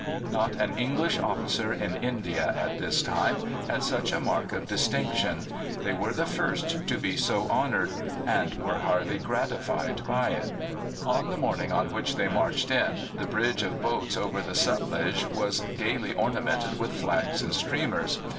Not an English officer in India at this time had such a mark of distinction. They were the first to be so honoured, and were highly gratified by it. On the morning on which they marched in, the bridge of boats over the Sutlej was gaily ornamented with flags and streamers.